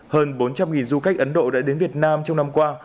hơn bốn trăm linh du khách ấn độ đã đến việt nam trong năm qua